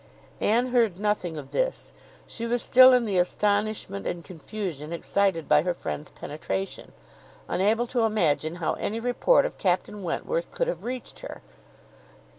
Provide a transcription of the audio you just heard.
Anne heard nothing of this. She was still in the astonishment and confusion excited by her friend's penetration, unable to imagine how any report of Captain Wentworth could have reached her.